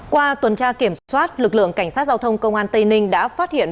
qua tuần tra kiểm soát lực lượng cảnh sát giao thông công an tây ninh đã phát hiện